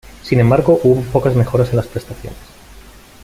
Sin embargo, hubo pocas mejoras en las prestaciones.